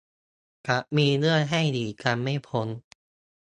จะมีเรื่องให้หนีกันไม่พ้น